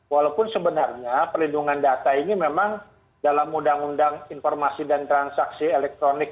walaupun sebenarnya perlindungan data ini memang dalam undang undang informasi dan transaksi elektronik